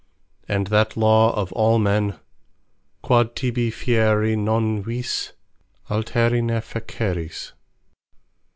And that Law of all men, "Quod tibi feiri non vis, alteri ne feceris."